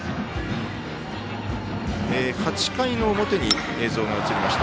８回の表に映像が移りました。